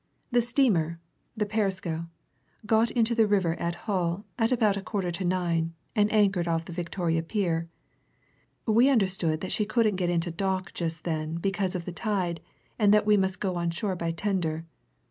The steamer the Perisco got into the river at Hull about a quarter to nine and anchored off the Victoria Pier. We understood that she couldn't get into dock just then because of the tide, and that we must go on shore by tender.